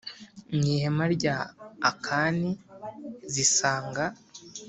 mu ihema rya Akani zisanga